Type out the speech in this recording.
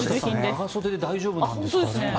長袖で大丈夫なんですかね。